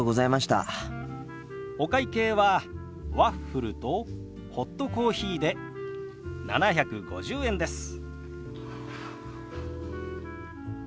お会計はワッフルとホットコーヒーで７５０円です。